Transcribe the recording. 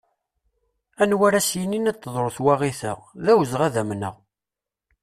Anwa ara as-yinin ad teḍru twaɣit-a, d awezɣi ad amneɣ.